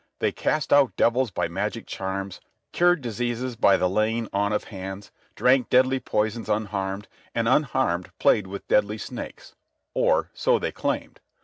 They cast out devils by magic charms, cured diseases by the laying on of hands, drank deadly poisons unharmed, and unharmed played with deadly snakes—or so they claimed.